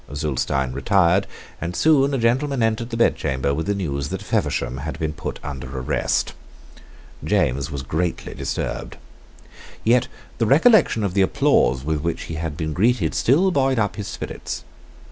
Zulestein retired; and soon a gentleman entered the bedchamber with the news that Feversham had been put under arrest. James was greatly disturbed. Yet the recollection of the applause with which he had been greeted still buoyed up his spirits.